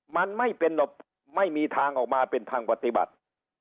มันไม่มีทางออกมาเป็นทางปฏิบัติ